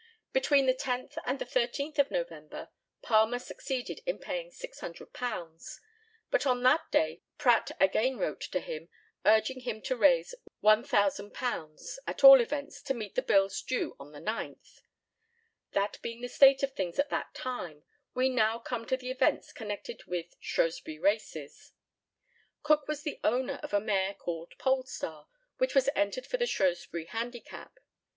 Between the 10th and the 13th of November, Palmer succeeded in paying £600; but on that day Pratt again wrote to him, urging him to raise £1,000, at all events, to meet the bills due on the 9th. That being the state of things at that time, we now come to the events connected with Shrewsbury Races. Cook was the owner of a mare called Polestar, which was entered for the Shrewsbury Handicap.